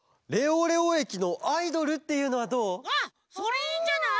あっそれいいんじゃない？